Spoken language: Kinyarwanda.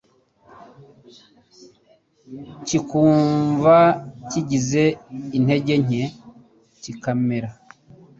kikumva kigize intege nke kikamera